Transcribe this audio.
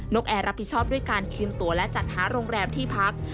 กแอร์รับผิดชอบด้วยการคืนตัวและจัดหาโรงแรมที่พัก